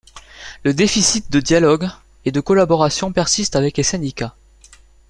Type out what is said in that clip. Le déficit de dialogue et de collaboration persiste avec des syndicats.